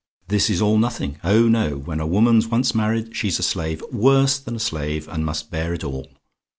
This is all nothing. Oh no; when a woman's once married she's a slave worse than a slave and must bear it all!